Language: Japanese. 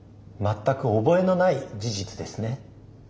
全く覚えのない事実ですね。